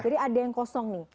jadi ada yang kosong nih